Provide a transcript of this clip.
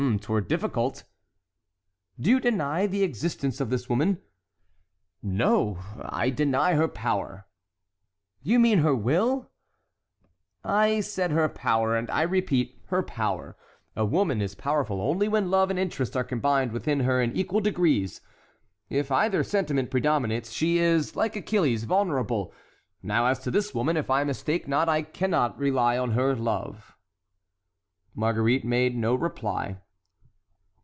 "'Twere difficult." "Do you deny the existence of this woman?" "No, I deny her power." "You mean her will?" "I said her power, and I repeat, her power. A woman is powerful only when love and interest are combined within her in equal degrees; if either sentiment predominates, she is, like Achilles, vulnerable; now as to this woman, if I mistake not, I cannot rely on her love." Marguerite made no reply.